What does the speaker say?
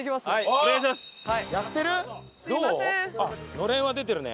のれんは出てるね。